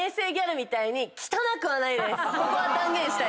ここは断言したいです。